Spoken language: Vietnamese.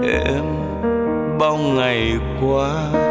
em bao ngày qua